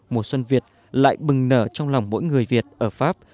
mùa xuân việt lại bừng nở trong lòng mỗi người việt ở pháp